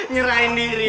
nyerahin diri dia